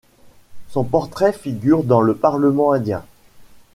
Son portrait figure dans le parlement indien.